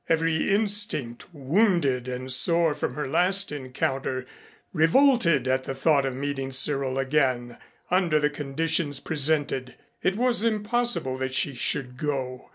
Every instinct, wounded and sore from her last encounter, revolted at the thought of meeting Cyril again under the conditions presented. It was impossible that she should go.